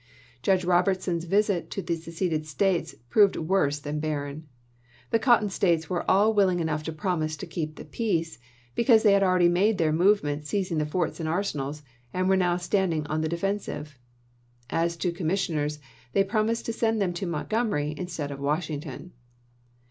Judge Robertson's visit to the seceded States proved worse than barren. The Cotton States were all willing enough to promise to keep the peace, because they had already made their movements seizing the forts and arsenals, and were now stand ing on the defensive. As to commissioners, they proposed to send them to Montgomery instead of Washington.